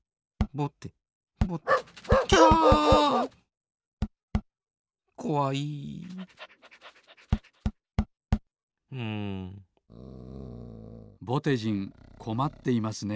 ぼてじんこまっていますね。